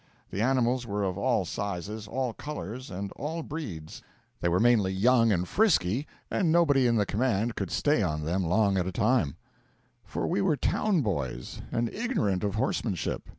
The animals were of all sizes, all colours, and all breeds. They were mainly young and frisky, and nobody in the command could stay on them long at a time; for we were town boys, and ignorant of horsemanship.